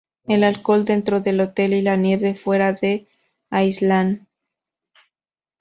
El alcohol, dentro del hotel, y la nieve, fuera, lo aíslan.